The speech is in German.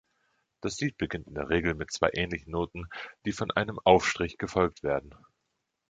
Das Lied beginnt in der Regel mit zwei ähnlichen Noten, die von einem Aufstrich gefolgt werden.